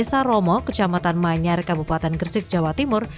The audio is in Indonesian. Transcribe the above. berada di desa romo kecamatan manyar kabupaten gersik jawa timur